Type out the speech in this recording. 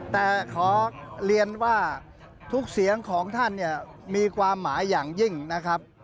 แต่ขอเรียนว่าทุกเสียงของท่านเนี่ยมีความหมายอย่างยิ่งนะครับ